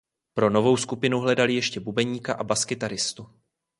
Pro novou skupinu hledali ještě bubeníka a baskytaristu.